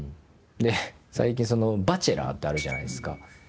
最近「バチェラー」ってあるじゃないですか。